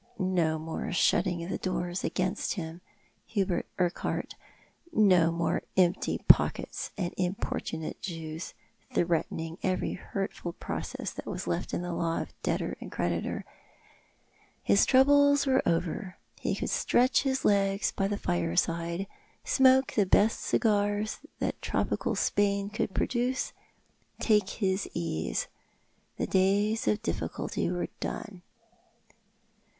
Ko more shutting of doors against him, Hubert Urquhart ; no more empty pockets and importunate Jews, threatening every hurtful proce.ss that was left in the law of debtor and creditor. His troubles were over. He could stretch his legs by his fireside, smoke the best cigars that tropical Spain could produce, take his ease. The days of difficulty were done.